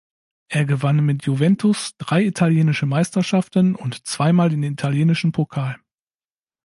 Er gewann mit Juventus drei italienische Meisterschaften und zweimal den italienischen Pokal.